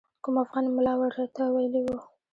کوم افغان ملا ورته ویلي وو.